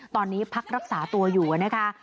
ตอนนี้พักรักษาตัวอยู่นะคะ